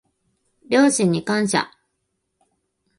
両親に感謝